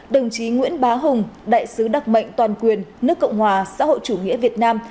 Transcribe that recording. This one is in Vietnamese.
đồng chí nguyễn bá hùng đại sứ đặc mệnh toàn quyền nước cộng hòa xã hội chủ nghĩa việt nam